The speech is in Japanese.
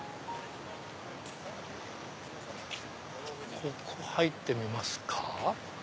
ここ入ってみますか。